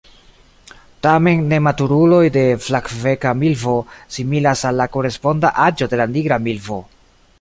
Tamen nematuruloj de Flavbeka milvo similas al la koresponda aĝo de la Nigra milvo.